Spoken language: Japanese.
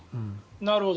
なるほど。